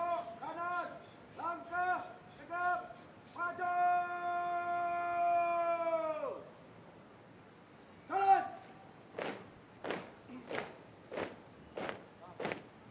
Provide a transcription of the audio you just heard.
laporan komandan upacara kepada inspektur upacara